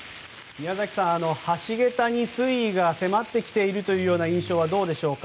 橋げたに水位が迫ってきているという印象はどうでしょうか